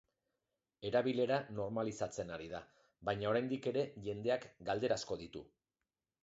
Erabilera normalizatzen ari da, baina, oraindik ere jendeak galdera asko ditu.